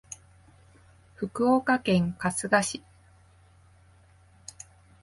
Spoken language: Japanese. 福岡県春日市